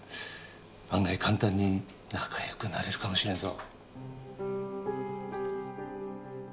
案外簡単に仲よくなれるかもしれんぞ。